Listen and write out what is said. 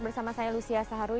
bersama saya lucia saharuy